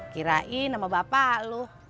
kirain sama bapak lu